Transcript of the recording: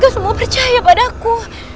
semua percaya padaku